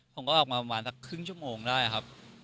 ผมก็ออกมาบรรวมถุงครึ่งชั่วโมงได้ครับ